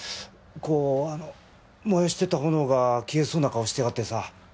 こうあの燃やしてた炎が消えそうな顔してやがってさ